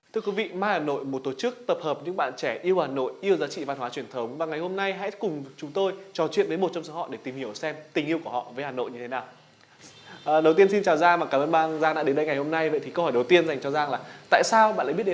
tại sao bạn lấy biết đến my hà nội và bạn tham gia vào my hà nội như thế nào